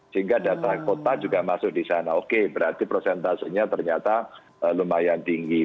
sehingga data kota juga masuk di sana oke berarti prosentasenya ternyata lumayan tinggi